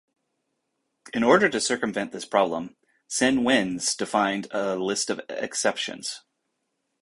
In order to circumvent this problem, Sin Wenz defined a list of exceptions.